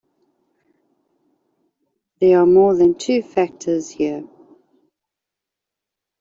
There are more than two factors here.